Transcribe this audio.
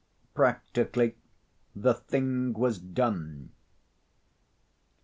Practically, the thing was done.